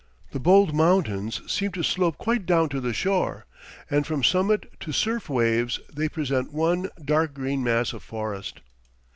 The bold mountains seem to slope quite down to the shore, and from summit to surf waves they present one dark green mass of forest.